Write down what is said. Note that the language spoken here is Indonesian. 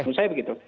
menurut saya begitu